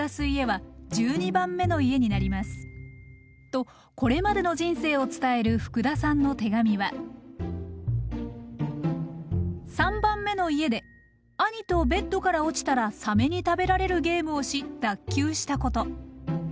とこれまでの人生を伝える福田さんの手紙は３番目の家で兄とベッドから落ちたらサメに食べられるゲームをし脱臼したこと。